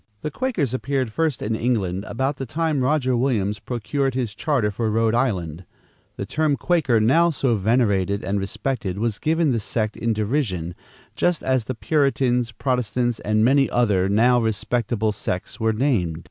The Quakers appeared first in England about the time Roger Williams procured his charter for Rhode Island. The term Quaker now so venerated and respected was given this sect in derision, just as the Puritans, Protestants and many other now respectable sects were named.